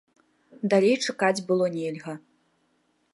Далей чакаць было нельга.